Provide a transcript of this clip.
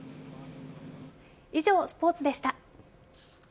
以上、スポーツでした。